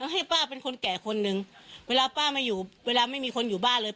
ให้ป้าเป็นคนแก่คนนึงเวลาป้าไม่อยู่เวลาไม่มีคนอยู่บ้านเลย